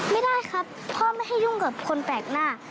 ไม่ได้ครับพ่อไม่ให้ยุ่งกับคนแปลกหน้า